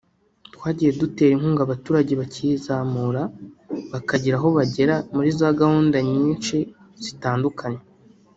twagiye dutera inkunga abaturage bakizamura bakagira aho bagera muri za gahunda nyinshi zitandukanye